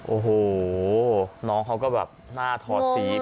โอ้โหน้องเขาก็แบบหน้าถอดสี